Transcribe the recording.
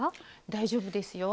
大丈夫ですよ。